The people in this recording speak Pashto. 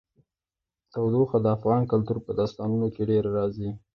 تودوخه د افغان کلتور په داستانونو کې ډېره راځي.